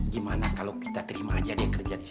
gimana kalau kita terima aja dia kerja di sini